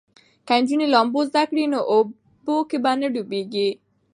که نجونې لامبو زده کړي نو په اوبو کې به نه ډوبیږي.